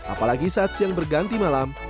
apalagi saat siang berganti malam